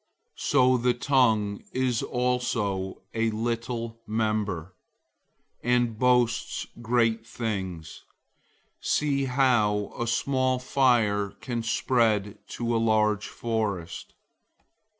003:005 So the tongue is also a little member, and boasts great things. See how a small fire can spread to a large forest!